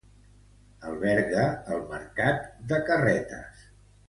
Alberga el Mercat de Carretes.